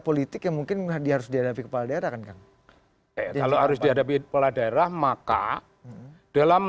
politik yang mungkin hadir diadapi kepala daerah kan kalau harus dihadapi kepala daerah maka dalam